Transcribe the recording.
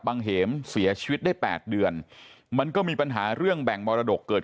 เหมเสียชีวิตได้๘เดือนมันก็มีปัญหาเรื่องแบ่งมรดกเกิด